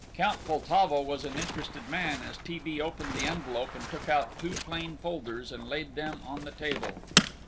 Count Poltavo was an interested man as T. B. opened the envelope and took out two plain folders, and laid them on the table.